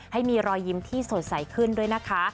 ให้มีรอยยิ้มที่สดใสขึ้นด้วยนะคะ